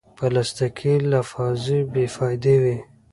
پلاستيکي لفافې بېفایدې وي.